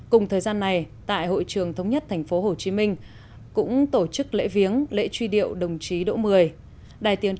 cùng thời gian này tại hội trường thống nhất thành phố hồ chí minh cũng tổ chức lễ viếng lễ truy điệu đồng chí đỗ mười